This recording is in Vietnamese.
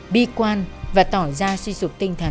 bi quan và tỏ ra suy sụp tinh thần